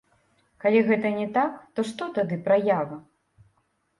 Калі гэта не так, то што тады праява?